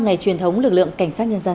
ngày truyền thống lực lượng cảnh sát nhân dân